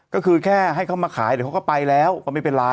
ก็คือแค่ให้เขามาขายเดี๋ยวเขาก็ไปแล้วก็ไม่เป็นไร